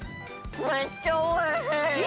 めっちゃおいしい！